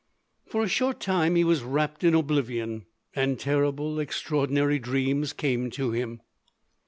For a short time he was wrapped in oblivion, and terrible, extraordinary dreams came to him.